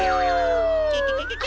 ケケケケケ！